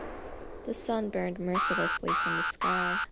The sun burned mercilessly from the sky.